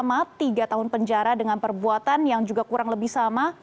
yang dituntut sama tiga tahun penjara dengan perbuatan yang juga kurang lebih sama